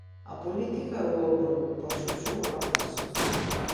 A política e o ouro, por Xurxo Borrazás.